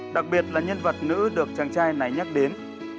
đặc biệt là nhân vật nữ được chàng trai này nhắc đến